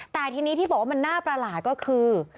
แต่ทีนี้ที่บอกว่ามันน่าประหลาดก็คือ